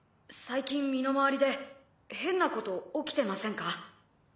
「最近身の回りで変なこと起きてませんか？」